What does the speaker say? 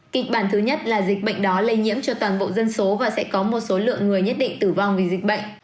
kịch bản thứ nhất là dịch bệnh đó lây nhiễm cho toàn bộ dân số và sẽ có một số lượng người nhất định tử vong vì dịch bệnh